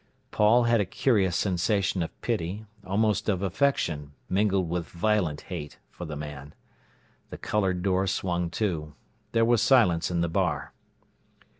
Paul had a curious sensation of pity, almost of affection, mingled with violent hate, for the man. The coloured door swung to; there was silence in the bar.